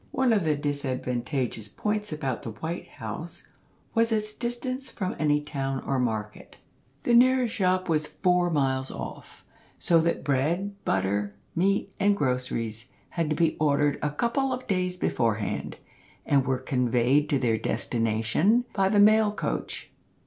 One of the disadvantageous points about the White House was its distance from any town or market. The nearest shop was four miles off, so that bread, butter, meat, and groceries, had to be ordered a couple of days beforehand, and were conveyed to their destination by the mail coach.